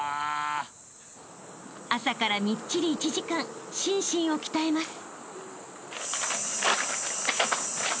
［朝からみっちり１時間心身を鍛えます］